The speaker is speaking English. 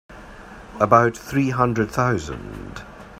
About three hundred thousand.